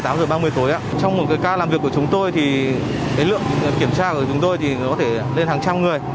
trong một cái ca làm việc của chúng tôi thì lượng kiểm tra của chúng tôi có thể lên hàng trăm người